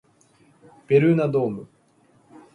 ベルーナドーム